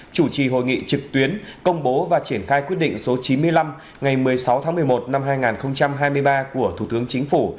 chủ trì hội nghị trực tuyến công bố và triển khai quyết định số chín mươi năm ngày một mươi sáu tháng một mươi một năm hai nghìn hai mươi ba của thủ tướng chính phủ